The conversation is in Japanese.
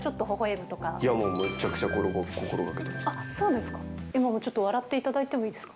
むちゃくちゃ心がけてます。